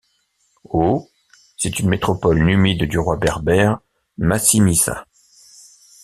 Au c'est une métropole numide du roi berbère Massinissa.